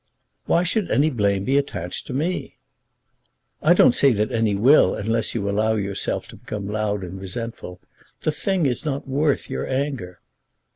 "Why should any blame be attached to me?" "I don't say that any will unless you allow yourself to become loud and resentful. The thing is not worth your anger."